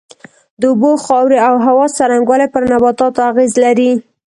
د اوبو، خاورې او هوا څرنگوالی پر نباتاتو اغېز لري.